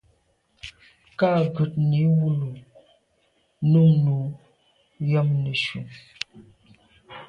Kà ghùtni wul o num nu yàm neshu.